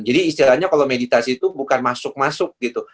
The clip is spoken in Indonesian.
jadi istilahnya kalau meditasi itu bukan masuk masuk gitu